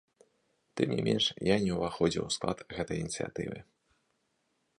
Тым не менш, я не ўваходзіў у склад гэтай ініцыятывы.